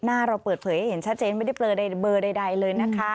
หน้าเราเปิดเผยให้เห็นชัดเจนไม่ได้เบลอใดเบอร์ใดเลยนะคะ